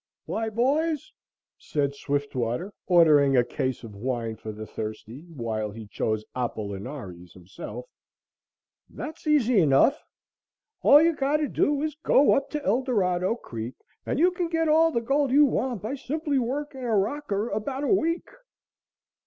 "Why, boys!" said Swiftwater, ordering a case of wine for the thirsty, while he chose appolinaris himself, "that's easy enough! All you've got to do is to go up to Eldorado Creek and you can get all the gold you want by simply working a rocker about a week."